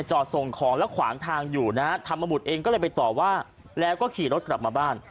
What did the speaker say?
จอดส่งของแล้วขวางทางอยู่นะฮะธรรมบุตรเองก็เลยไปต่อว่าแล้วก็ขี่รถกลับมาบ้าน